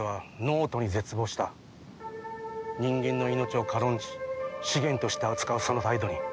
人間の命を軽んじ資源として扱うその態度に。